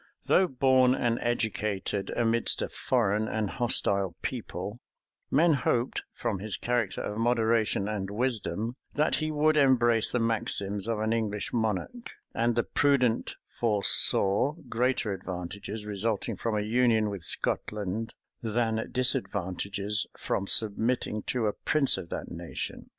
Though born and educated amidst a foreign and hostile people, men hoped, from his character of moderation and wisdom, that he would embrace the maxims of an English monarch; and the prudent foresaw greater advantages resulting from a union with Scotland, than disadvantages from submitting to a prince of that nation.